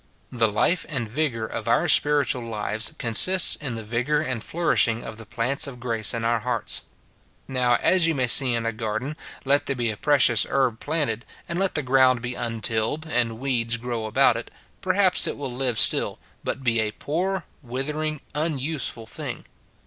The life and vigour of our spiritual lives consists in the vigour and flourishing of the plants of grace in our hearts. Now, as you may see in a garden, let there be a precious herb planted, and let the ground be untilled, and weeds grow about it, perhaps it will live still, but be a poor, withering, unuseful thing.